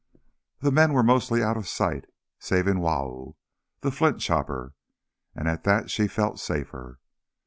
The men were mostly out of sight, saving Wau, the flint chopper; and at that she felt safer.